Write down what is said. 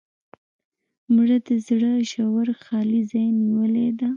مړه د زړه ژور خالي ځای نیولې ده